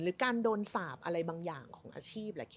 การโดนสาปอะไรบางอย่างของอาชีพแหละ